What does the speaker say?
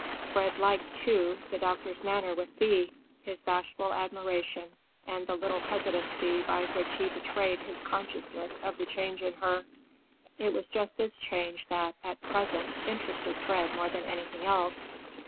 Fred liked, too, the doctor's manner with Thea, his bashful admiration and the little hesitancy by which he betrayed his consciousness of the change in her. It was just this change that, at present, interested Fred more than anything else.